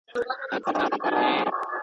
اوس دې تڼاکو ته پر لاري دي د مالګي غرونه.